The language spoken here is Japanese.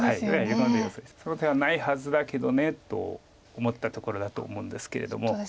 今の様子ですとその手はないはずだけどねと思ったところだと思うんですけれども。